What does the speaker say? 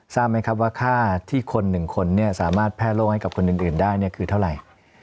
ทราบไหมครับว่าค่าที่คนหนึ่งคนสามารถแพร่โรคให้กับคนอื่นได้คือเท่าไหร่